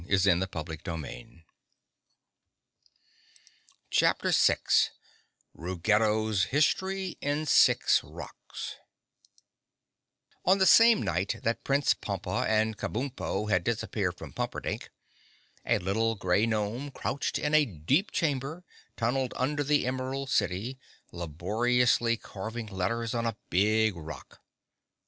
[Illustration: (unlabelled)] Chapter 6 Ruggedo's History In Six Rocks On the same night that Prince Pompa and Kabumpo had disappeared from Pumperdink, a little gray gnome crouched in a deep chamber, tunneled under the Emerald City, laboriously carving letters on a big rock.